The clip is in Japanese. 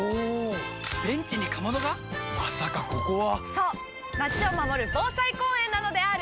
そうまちを守る防災公園なのであーる！